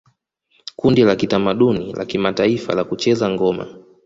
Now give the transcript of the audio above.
Kundi la kitamaduni la kimataifa la kucheza ngoma